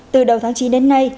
từ đầu tháng chín đến nay